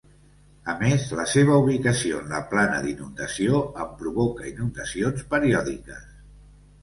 A més la seva ubicació en la plana d'inundació en provoca inundacions periòdiques.